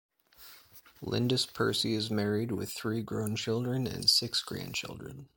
Lindis Percy is married, with three grown children and six grandchildren.